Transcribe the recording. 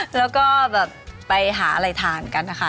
แล้วก็แบบไปหาอะไรทานกันนะคะ